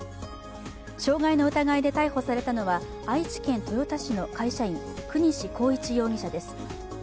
傷害の疑いで逮捕されたのは愛知県豊田市の会社員國司浩一容疑者です。